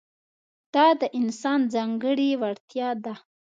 دا د انسان ځانګړې وړتیا ده.